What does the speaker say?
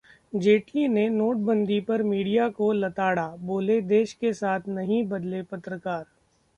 जेटली ने नोटंबदी पर मीडिया को लताड़ा, बोले- देश के साथ नहीं बदले पत्रकार